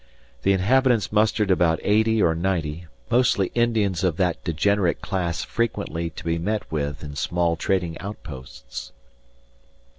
The inhabitants mustered about eighty or ninety, mostly Indians of that degenerate class frequently to be met with in small trading outposts.